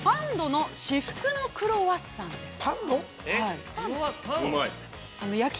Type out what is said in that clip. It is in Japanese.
Ｐａｎ＆の至福のクロワッサンです。